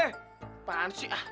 eh apaan sih